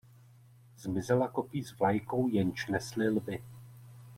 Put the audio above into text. Zmizela kopí s vlajkou jenž nesli lvi.